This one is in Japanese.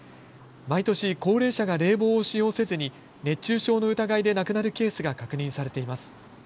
毎年、高齢者が冷房を使用せずに熱中症の疑いで亡くなるケースが確認されています。